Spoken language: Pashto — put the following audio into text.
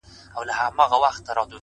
• اوس اِمارت دی چي څه به کیږي ,